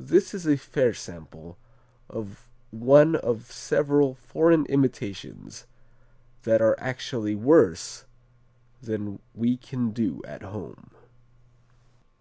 This is a fair sample of one of several foreign imitations that are actually worse than we can do at home.